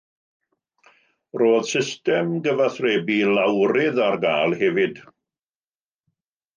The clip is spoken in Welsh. Roedd system gyfathrebu lawrydd ar gael hefyd.